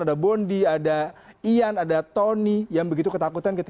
ada bondi ada ian ada tony yang begitu ketakutan